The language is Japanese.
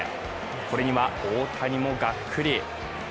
これには大谷もがっくり。